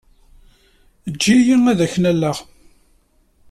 Eǧǧ-iyi ad ken-alleɣ.